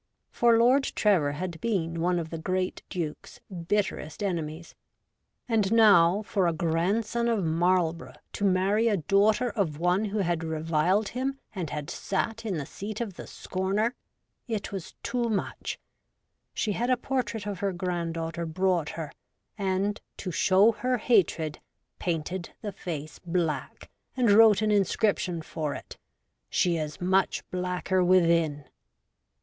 For Lord Trevor had been one of the great Duke's bitterest enemies ; and now for a grandson of Marlborough to marry a daughter of SOME OLD TIME TERMAGANTS. 85 one who had reviled him and had sat in the seat of the scorner ! It was too much. She had a portrait of her granddaughter brought her, and, to show her hatred, painted the face black and wrote an inscription for it, ' She is much blacker within.'